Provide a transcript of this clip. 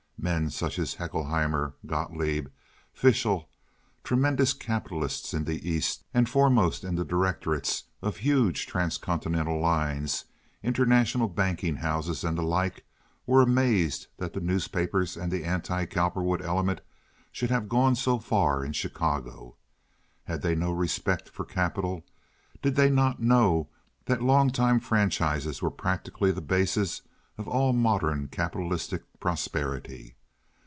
Men such as Haeckelheimer, Gotloeb, Fishel, tremendous capitalists in the East and foremost in the directorates of huge transcontinental lines, international banking houses, and the like, were amazed that the newspapers and the anti Cowperwood element should have gone so far in Chicago. Had they no respect for capital? Did they not know that long time franchises were practically the basis of all modern capitalistic prosperity?